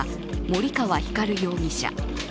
森川光容疑者。